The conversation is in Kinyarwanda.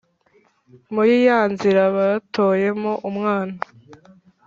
muri ya nzira batoyemo umwana.